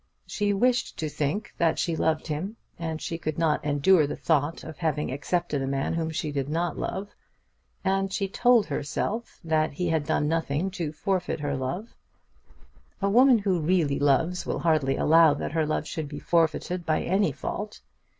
She wished to think that she loved him, as she could not endure the thought of having accepted a man whom she did not love. And she told herself that he had done nothing to forfeit her love. A woman who really loves will hardly allow that her love should be forfeited by any fault.